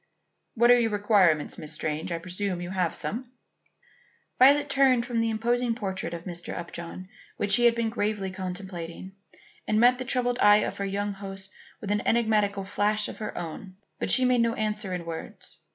"What are your requirements, Miss Strange? I presume you have some." Violet turned from the imposing portrait of Mr. Upjohn which she had been gravely contemplating, and met the troubled eye of her young host with an enigmatical flash of her own. But she made no answer in words.